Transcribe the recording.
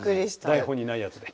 台本にないやつで。